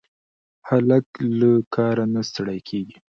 هلک له کاره نه ستړی کېږي.